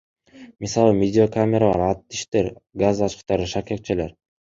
Мисалы, Видеокамералар, аттиштер, газ ачкычтары, шакекчелер.